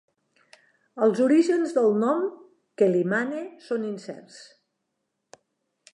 Els orígens del nom "Quelimane" són incerts.